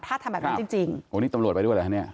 ถ้าทำแบบนั้นจริงจริงโอ้นี่ตำรวจไปด้วยเหรอฮะเนี่ย